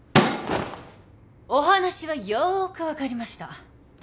お話はよーく分かりました。